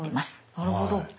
なるほど。